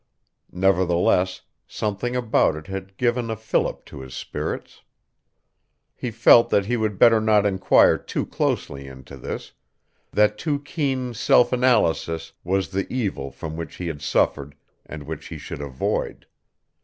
Nevertheless, something about it had given a fillip to his spirits. He felt that he would better not inquire too closely into this; that too keen self analysis was the evil from which he had suffered and which he should avoid.